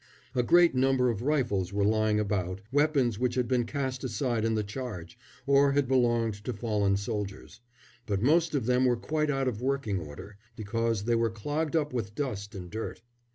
A great number of rifles were lying about weapons which had been cast aside in the charge, or had belonged to fallen soldiers; but most of them were quite out of working order, because they were clogged up with dust and dirt.